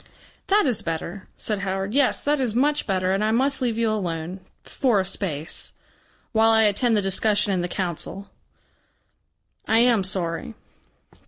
"That is better," said Howard. "Yes, that is much better. And I must leave you alone. For a space. While I attend the discussion in the Council.... I am sorry."